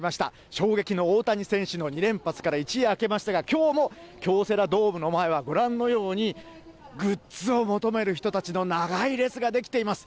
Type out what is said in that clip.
衝撃の大谷選手の２連発から一夜明けましたが、きょうも京セラドームの前は、ご覧のようにグッズを求める人たちの長い列が出来ています。